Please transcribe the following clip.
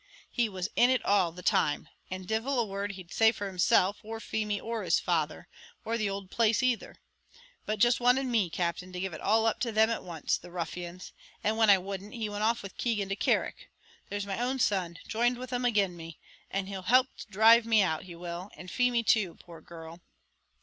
"He was in it all the time; and divil a word he'd say for himself, or Feemy, or his father, or the owld place either; but just wanted me, Captain, to give it all up to them at once, the ruffians! and when I wouldn't, he went off with Keegan to Carrick. There's my own son joined with 'em agin me; and he'll help to dhrive me out, he will, and Feemy too, poor girl!"